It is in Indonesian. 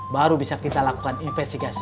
baru bisa kita lakukan investigasi